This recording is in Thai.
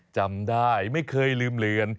จำได้ไม่เคยลืมเลือน